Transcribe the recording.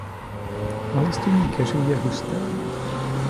Olistění keřů je husté.